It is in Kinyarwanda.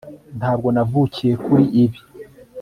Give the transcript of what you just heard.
Ntabwo navukiye kuri ibi